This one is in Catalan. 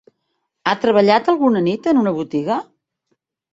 Ha treballat alguna nit en una botiga?